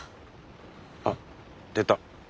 あっ出た。